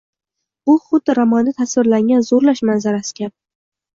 Bu xuddi romanda tasvirlangan zo’rlash manzarasi kabi.